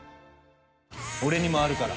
「俺にもあるから。